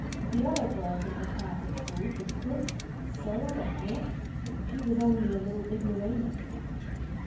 The other girls in her class at school could cook and sew and knit; she only was a little ignoramus.